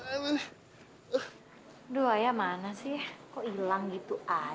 aduh ayah mana sih kok ilang gitu aja